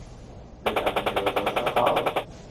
دەزانم ئێوە زۆر سەرقاڵن.